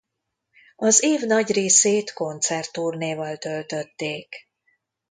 Az év nagy részét koncert turnéval töltötték.